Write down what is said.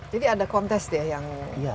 jadi ada kontes ya yang